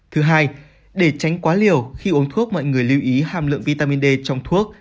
thứ hai để tránh quá liều khi uống thuốc mọi người lưu ý hàm lượng vitamin d trong thuốc